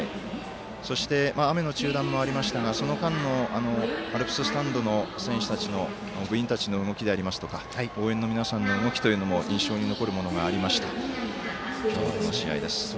そして雨の中断もありましたが、その間のアルプススタンドの部員たちの動きであったりとか応援の皆さんの動きも印象に残るものがあった試合でした。